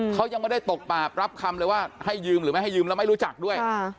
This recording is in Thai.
เขายังไม่ได้ตกปากรับคำเลยว่าให้ยืมหรือไม่รู้จักด้วย